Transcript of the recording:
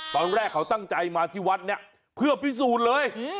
ตอนแรกเขาตั้งใจมาที่วัดเนี่ยเพื่อพิสูจน์เลย